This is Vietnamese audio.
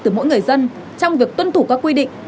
từ mỗi người dân trong việc tuân thủ các quy định